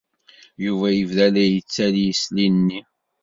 Yuba yebda la yettali isili-nni.